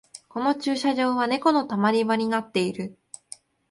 この駐車場はネコのたまり場になってる